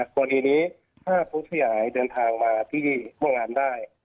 กรณีนี้ถ้าผู้จะหายเดินทางมาที่โมงอาร์มได้